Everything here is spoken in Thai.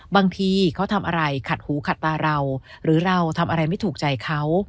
บางทีเขาทำอะไรขัดหูขัดตาเราหรือเราทำอะไรไม่ถูกใจเขา